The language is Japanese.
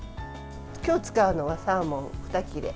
今日使うのはサーモン２切れ。